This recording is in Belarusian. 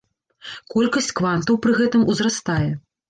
Колькасць квантаў пры гэтым узрастае.